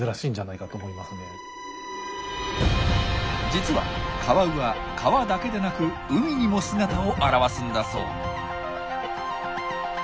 実はカワウは川だけでなく海にも姿を現すんだそう。